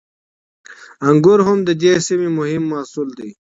انګور هم د دې سیمې مهم محصول دی.